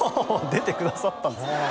出てくださったですね